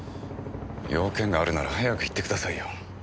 用件があるなら早く言ってくださいよ。